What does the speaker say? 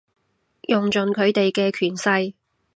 用盡佢哋嘅權勢